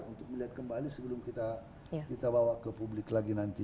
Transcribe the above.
untuk melihat kembali sebelum kita bawa ke publik lagi nanti